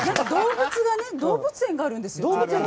動物園があるんですよ。